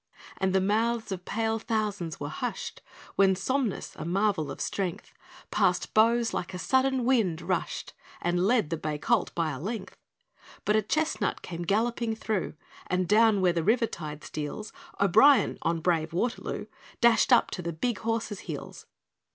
And the mouths of pale thousands were hushed When Somnus, a marvel of strength, Past Bowes like a sudden wind rushed, And led the bay colt by a length; But a chestnut came galloping through, And, down where the river tide steals, O'Brien, on brave Waterloo, Dashed up to the big horse's heels.